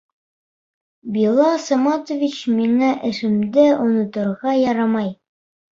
Билал Саматович, миңә эшемде оноторға ярамай.